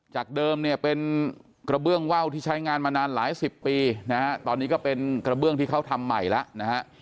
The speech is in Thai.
จากเดิมเนี่ยเป็นกระเบื้องว่าวที่ใช้งานมานานหลายสิบปีนะฮะตอนนี้ก็เป็นกระเบื้องที่เขาทำใหม่แล้วนะฮะ